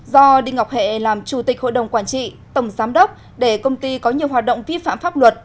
do đinh ngọc hệ làm chủ tịch hội đồng quản trị tổng giám đốc để công ty có nhiều hoạt động vi phạm pháp luật